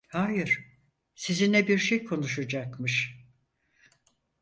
Hayır, sizinle bir şey konuşacakmış!